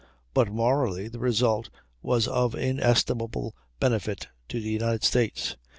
But morally the result was of inestimable benefit to the United States.